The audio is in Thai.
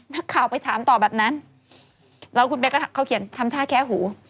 นักข่าวไปถามต่อแบบนั้นแล้วคุณเบสก็เขาเขียนทำท่าแค่หู